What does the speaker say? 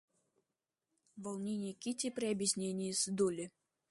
Волнение Кити при объяснении с Долли.